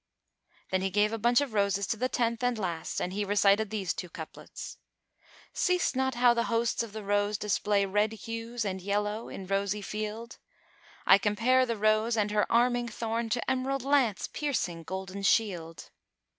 Then he gave a bunch of roses to the tenth and last and he recited these two couplets, "Seest not how the hosts of the Rose display * Red hues and yellow in rosy field? I compare the Rose and her arming thorn * To emerald lance piercing golden shield."